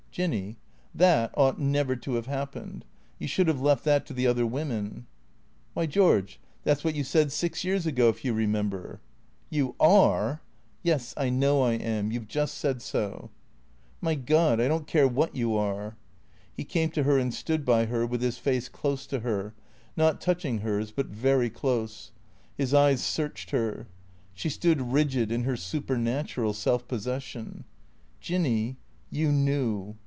" Jinny — that ought never to have happened. You should have left that to the other women." " Wliy, George, that 's what you said six years ago, if you remember." " You are "" Yes, I know I am. You 've just said so." " My God. I don't care what you are." He came to her and stood by her, with his face close to her, not touching hers, but very close. His eyes searched her. She stood rigid in her supernatural self possession. " Jinny, you knew.